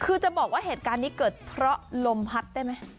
คือจะบอกว่าเหตุการณ์นี้เกิดเพราะลมพัดได้ไหม